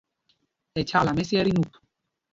Ɛ chyakla mɛ́syɛɛ tí nup.